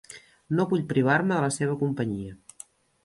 No vull privar-me de la seva companyia.